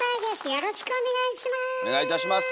よろしくお願いします。